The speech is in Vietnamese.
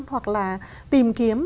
hoặc là tìm kiếm